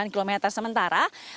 delapan sembilan km sementara